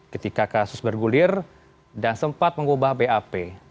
ketika kasus bergulir dan sempat mengubah bap